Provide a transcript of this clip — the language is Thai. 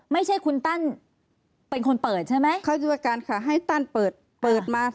ไม่ใช่คุณตั้นเป็นคนเปิดใช่ไหม